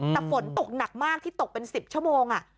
แต่ฝนตกหนักมากที่ตกเป็น๑๐ชั่วโมง